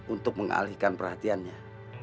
untuk mengalihkan perhatiannya